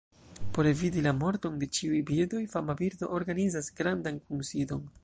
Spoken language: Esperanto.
Por eviti la morton de ĉiuj birdoj, fama birdo organizas grandan kunsidon.